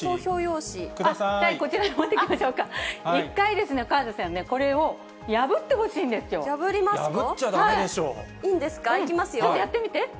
こちらに持っていきましょうか、一回、河出さんね、破ってほしい破りますか？